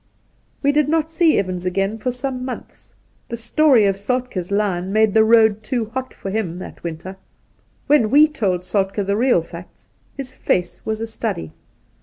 We did not see Evans again for some months. The story of Soltk^'s lion made the road too hot for him that winter. When we told Soltke the real facts, his face was a study.